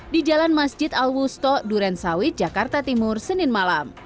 di jalan masjid al wusto duren sawit jakarta timur senin malam